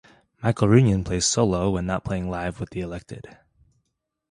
Michael Runion plays solo when not playing live with The Elected.